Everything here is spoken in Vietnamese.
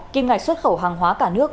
kim ngạch xuất khẩu hàng hóa cả nước